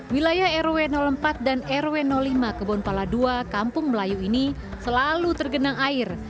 wilayah rw empat dan rw lima kebonpala ii kampung melayu ini selalu tergenang air